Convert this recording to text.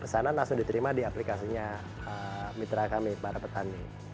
pesanan langsung diterima di aplikasinya mitra kami para petani